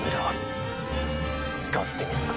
使ってみるか。